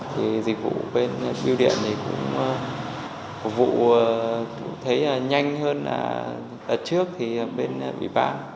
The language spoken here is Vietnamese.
thì dịch vụ bên biêu điện thì cũng vụ thấy nhanh hơn là trước thì bên bị bán